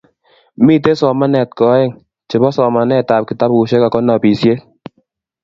miten somanetab ko aeng :chebo somanetab kitabushek ago nobishet